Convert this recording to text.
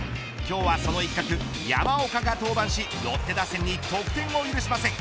今日はその一角、山岡が登板しロッテ打線に得点を許しません。